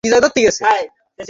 পরিজনের লোকেরা চলে গেছে।